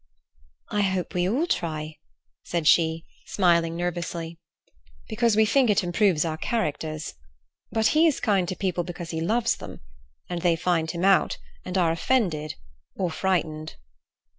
"I hope we all try," said she, smiling nervously. "Because we think it improves our characters. But he is kind to people because he loves them; and they find him out, and are offended, or frightened."